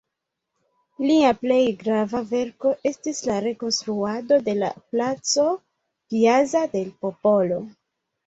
Lia plej grava verko estis la rekonstruado de la placo "Piazza del Popolo".